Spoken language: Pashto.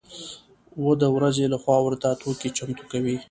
و د ورځې له خوا ورته توکي چمتو کوي.